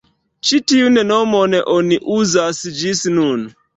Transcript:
Ĉi tiun nomon oni uzas ĝis nun.